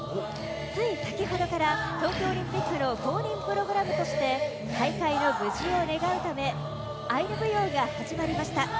つい先ほどから、東京オリンピックの公認プログラムとして、大会の無事を願うため、アイヌ舞踊が始まりました。